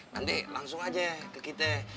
nanti langsung aja ke kita